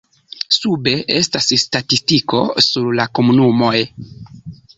Sube estas statistiko sur la komunumoj.